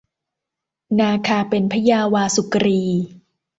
นาคาเป็นพญาวาสุกรี